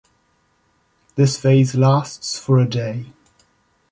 This phase lasts for a day.